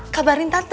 kabarin tante ya